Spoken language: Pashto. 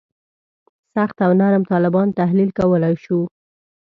سخت او نرم طالبان تحلیل کولای شو.